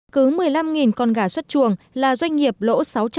cứ một mươi năm con gà xuất chuồng là doanh nghiệp lỗ sáu